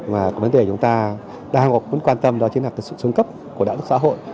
và vấn đề chúng ta đang quan tâm đó chính là sự xuống cấp của đạo đức xã hội